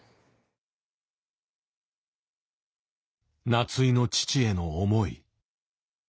夏井の父への思い。